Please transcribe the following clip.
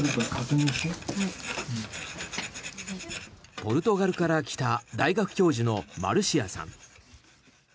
ポルトガルから来た大学教授のマルシアさん。